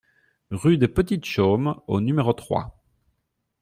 Rue des Petites Chaumes au numéro trois